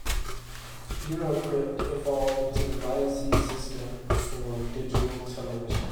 EuroCrypt evolved into the Viaccess system for digital television.